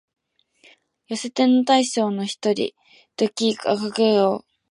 寄せ手の大将の一人、土岐悪五郎